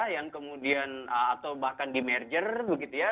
yang kemudian atau bahkan di merger begitu ya